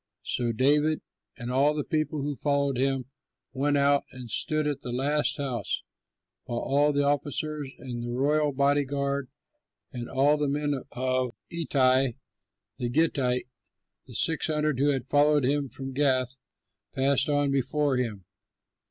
So David and all the people who followed him went out and stood at the last house, while all the officers and the royal body guard and all the men of Ittai the Gittite, the six hundred who had followed him from Gath, passed on before him.